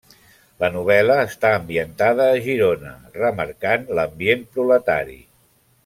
La novel·la està ambientada a Girona, remarcant l'ambient proletari.